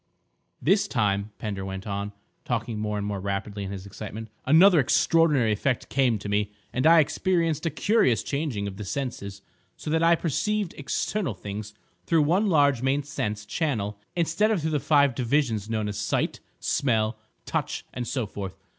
"This time," Pender went on, talking more and more rapidly in his excitement, "another extraordinary effect came to me, and I experienced a curious changing of the senses, so that I perceived external things through one large main sense channel instead of through the five divisions known as sight, smell, touch, and so forth.